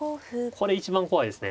これ一番怖いですね。